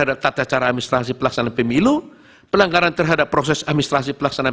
ada tata cara administrasi pelaksanaan pemilu pelanggaran terhadap proses administrasi pelaksanaan